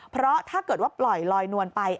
เพราะถ้าเกิดว่าปล่อยลอยนวลไป